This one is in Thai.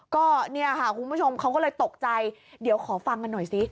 ก็เนี่ยค่ะคุณผู้ชมเขาก็เลยตกใจเดี๋ยวขอฟังกันหน่อยสิ